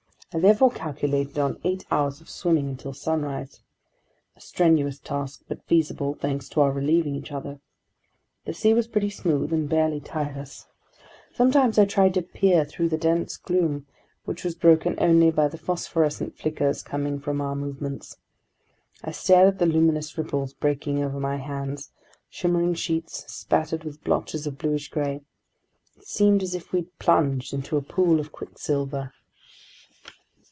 I therefore calculated on eight hours of swimming until sunrise. A strenuous task, but feasible, thanks to our relieving each other. The sea was pretty smooth and barely tired us. Sometimes I tried to peer through the dense gloom, which was broken only by the phosphorescent flickers coming from our movements. I stared at the luminous ripples breaking over my hands, shimmering sheets spattered with blotches of bluish gray. It seemed as if we'd plunged into a pool of quicksilver.